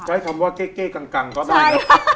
ใช้คำว่าเก๊กกังก็ได้